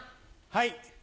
はい。